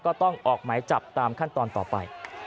ก็ต้องออกหมายจับตามขั้นตอนต่อไป